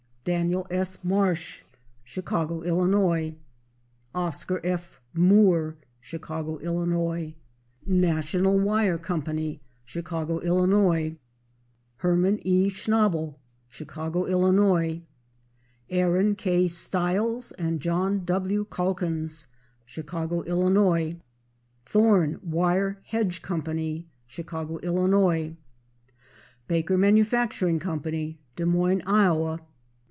Daniel S. Marsh, Chicago, Ill. Oscar F. Moore, Chicago, Ill. National Wire Co., Chicago, Ill. Herman E. Schnabel, Chicago, Ill. Aaron K. Stiles and John W. Calkins, Chicago, Ill. Thorn Wire Hedge Co., Chicago, Ill. Baker Manufacturing Co., Des Moines, Iowa.